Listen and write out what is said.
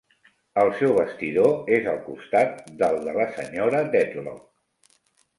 El seu vestidor és al costat del de la senyora Dedlock.